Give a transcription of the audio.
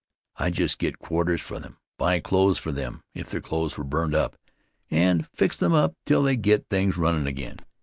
I just get quarters for them, buy clothes for them if their clothes were burned up, and fix them up till they get things runnin' again.